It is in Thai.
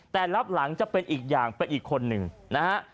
แต่รับหลังจะเป็นอีกอย่างไปอีกคนหนึ่งนะฮะ